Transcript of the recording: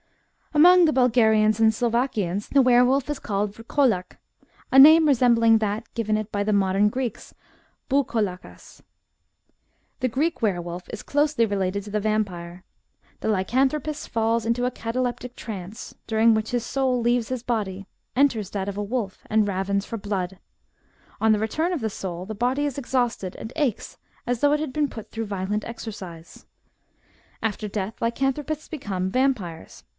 Among the Bulgarians and Slovakians the were wolf is called vrkolak, a name resembling that given it by the modem Greeks ^pvKoXaKag The Greek were wolf is closely related to the vampire. The lycanthropist falls into a cataleptic trance, during which his soul leaves his body, enters that of a wolf and ravens for blood. On the return of the soul, the body is exhausted and aches FOLK LORE RELATING TO WERE WOLVES. 115 as though it had been put through violent exercise. After death lycanthropists become vampires.